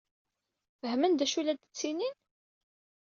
Fehmen d acu ay la d-ttinin?